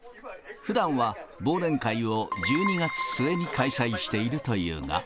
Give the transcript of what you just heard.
ふだんは忘年会を１２月末に開催しているというが。